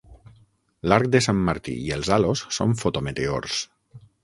L'arc de Sant Martí i els halos són fotometeors.